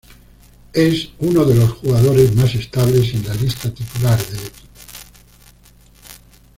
Es uno de los jugadores más estables en la lista titular del equipo.